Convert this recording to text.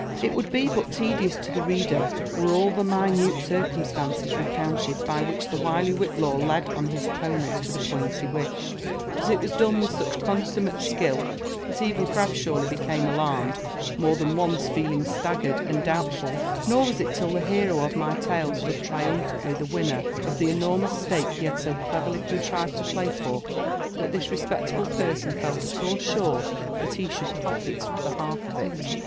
It would be but tedious to the reader were all the minute circum stances recounted by which the wily Whillaw led on his opponents to the point he wished ; but it was done with such consummate skill, . that even Crabshawly became alarmed, more than once feeling stag gered and doubtful : nor was it till the hero of my tale stood trium phantly the winner of the enormous stake he had so cleverly con trived to play for, that this respectable person felt at all sure that he should pocket the half of it.